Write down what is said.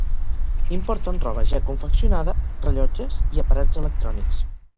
Importen roba ja confeccionada, rellotges i aparats electrònics.